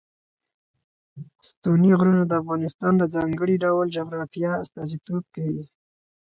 ستوني غرونه د افغانستان د ځانګړي ډول جغرافیه استازیتوب کوي.